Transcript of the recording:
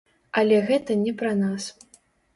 Але гэта не пра нас.